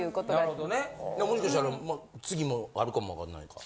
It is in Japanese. もしかしたら次もあるかもわかんないから。